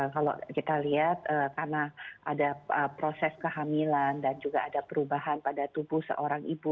kalau kita lihat karena ada proses kehamilan dan juga ada perubahan pada tubuh seorang ibu